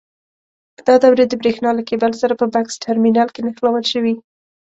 دا دورې د برېښنا له کېبل سره په بکس ټرمینل کې نښلول شوي.